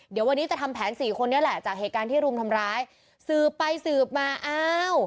เดี๋ยววันนี้จะทำแผนสี่คนนี้แหละจากเหตุการณ์ที่รุมทำร้ายสืบไปสืบมาอ้าว